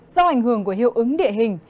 do ảnh hưởng của hiệu ứng địa hình